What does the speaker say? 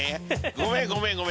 ごめんごめんごめん